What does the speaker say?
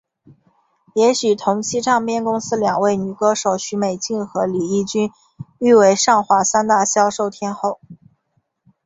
也与同期唱片公司两位女歌手许美静和李翊君誉为上华三大销售天后。